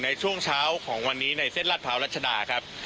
ในช่วงเช้าของวันนี้ในเส้นลาดพร้าวรัชดาครับ